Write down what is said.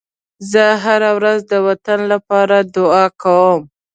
زه هره ورځ د وطن لپاره دعا کوم.